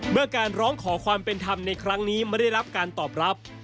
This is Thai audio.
เมื่อการร้องขอความเป็นธรรมในครั้งนี้ไม่ได้รับการตอบรับ